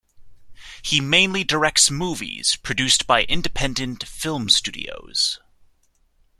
He mainly directs movies produced by independent film studios.